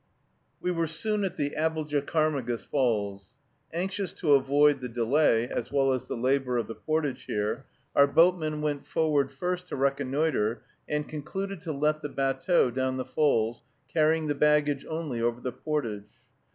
We were soon at the Aboljacarmegus Falls. Anxious to avoid the delay, as well as the labor, of the portage here, our boatmen went forward first to reconnoitre, and concluded to let the batteau down the falls, carrying the baggage only over the portage.